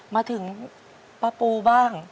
มาถึงป้าปูบ้าง